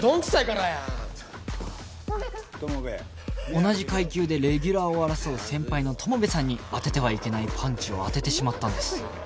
同じ階級でレギュラーを争う先輩の友部さんに当ててはいけないパンチを当ててしまったんです